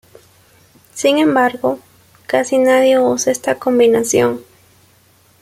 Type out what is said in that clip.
Sin embargo, casi nadie usa esta combinación.